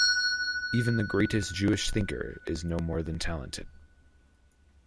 Even the greatest Jewish thinker is no more than talented.